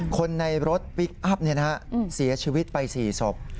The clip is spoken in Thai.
คนในรถพลิกอัพเสียชีวิตไป๔ศพ